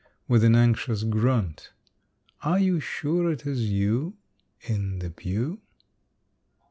with an unctuous grunt, Are you sure it is you In the pew?